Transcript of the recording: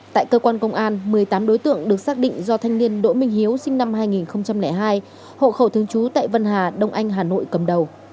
tại cơ quan công an một mươi tám đối tượng được xác định do thanh niên đỗ minh hiếu sinh năm hai nghìn hai hộ khẩu thương chú tại vân hà đông anh hà nội cầm đầu